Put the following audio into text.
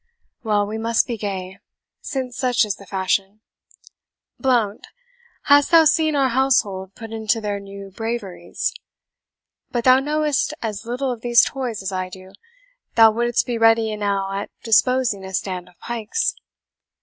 Well, we must be gay, since such is the fashion. Blount, hast thou seen our household put into their new braveries? But thou knowest as little of these toys as I do; thou wouldst be ready enow at disposing a stand of pikes."